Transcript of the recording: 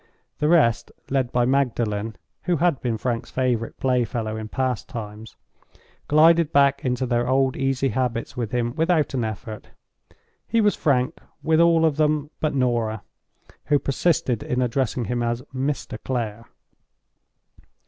The rest, led by Magdalen (who had been Frank's favorite playfellow in past times) glided back into their old easy habits with him without an effort. He was "Frank" with all of them but Norah, who persisted in addressing him as "Mr. Clare."